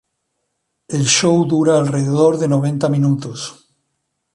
El "show" dura alrededor de noventa minutos.